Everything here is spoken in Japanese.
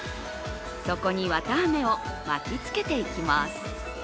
そこに、綿あめを巻きつけていきます。